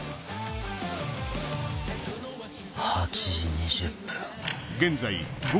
８時２０分。